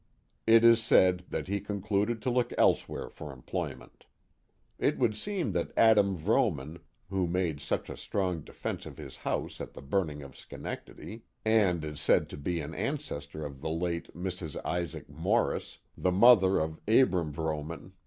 It is said that he concluded to look elsewhere for employ ment. It would seem that Adam Vrooman, who made such a strong defence of his house at the burning of Schenectady, and i64 The Mohawk VaU^ if s^id.to be an anchor of. the Ute Mrs. Isaac Monfo, the ni,(^er of Abram Vropman.